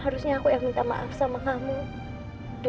harusnya aku yang minta maaf sama kamu